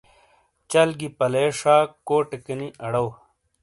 چل گی پلے شاک کوٹیکی نی ارؤ۔